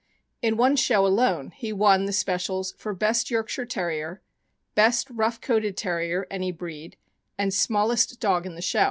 In one show alone he won the specials for "best Yorkshire Terrier," "best rough coated Terrier —any breed," and " smallest dog in the show."